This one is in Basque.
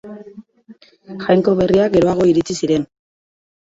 Jainko berriak geroago iritsi ziren.